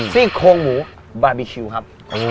ซี่โครงหมูบาร์บีคิวครับ